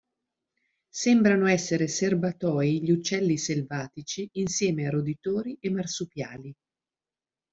Sembrano essere serbatoi gli uccelli selvatici insieme a roditori e marsupiali.